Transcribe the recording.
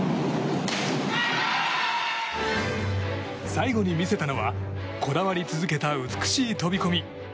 最後に見せたのはこだわり続けた美しい飛込。